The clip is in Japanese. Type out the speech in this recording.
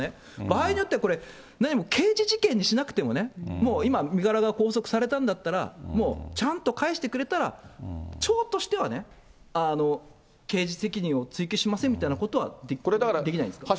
場合によってはこれ、なにも刑事事件にしなくてもね、もう今、身柄が拘束されたんだったら、もう、ちゃんと返してくれたら町としてはね、刑事責任を追及しませんみたいなことは、できないんですか？